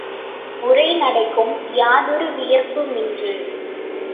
உரைநடைக்கும் யாதொருவியப்புமின்று.